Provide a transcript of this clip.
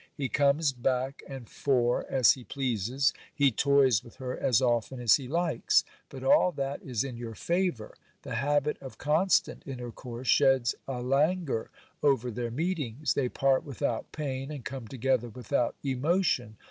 He comes back and fore as he pleases. He toys with her as often as he likes, but all that is in your favour. The habit of constant intercourse sheds a languor over their meetings. They part without pain, and come together without emotion.